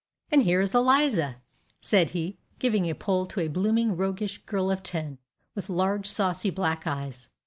And here is Eliza," said he, giving a pull to a blooming, roguish girl of ten, with large, saucy black eyes.